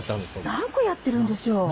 何個やってるんでしょう？